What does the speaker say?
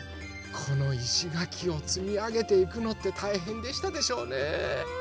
このいしがきをつみあげていくのってたいへんでしたでしょうね。